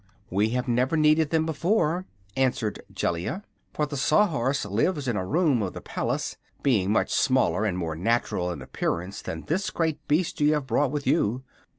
"We have never needed them before," answered Jellia; "for the Sawhorse lives in a room of the palace, being much smaller and more natural in appearance than this great beast you have brought with you."